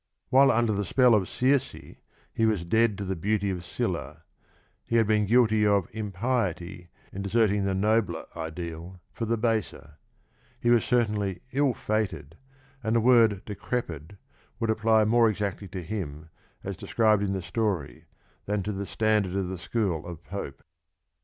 While under the spell of Circe he was " dead " to the beauty of Scylla; he had been guilty of *' impiety " in deserting the nobler ideal for the baser; he was certainly " ill fated," and the word " decrepid " would apply more exactly to him as described in the story than to the standard of the school of Pope.